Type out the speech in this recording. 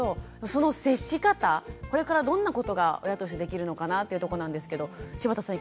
その接し方これからどんなことが親としてできるのかなっていうとこなんですけど柴田さん